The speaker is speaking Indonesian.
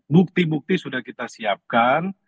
bukti bukti sudah kita siapkan